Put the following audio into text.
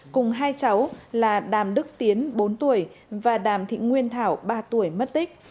cùng hai cháu là đàm đức tiến bốn tuổi và đàm thị nguyên thảo ba tuổi mất tích